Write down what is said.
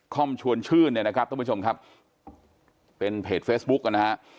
ชวนชื่นเนี่ยนะครับท่านผู้ชมครับเป็นเพจเฟซบุ๊กนะฮะ